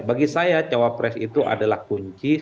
bagi saya cawapres itu adalah kunci